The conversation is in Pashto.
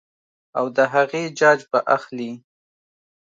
او د هغې جاج به اخلي -